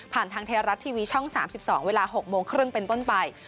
ผ่านทางเทรารัตน์ทีวีช่อง๓๒เวลา๖โมงครึ่งเป็นต้นไป